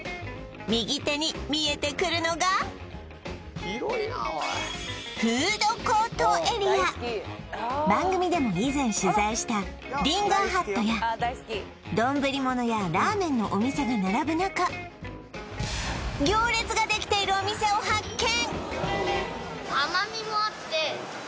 右手に見えてくるのが番組でも以前取材したリンガーハットや丼ものやラーメンのお店が並ぶ中行列ができているお店を発見！